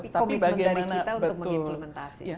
tapi komitmen dari kita untuk mengimplementasi